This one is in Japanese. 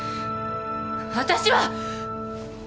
私は！